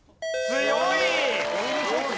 強い！